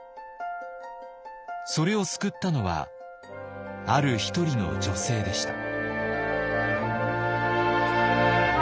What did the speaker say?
それを救ったのはある一人の女性でした。